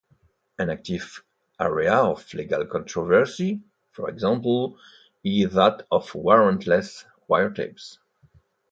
An active area of legal controversy, for example, is that of warrant-less wiretaps.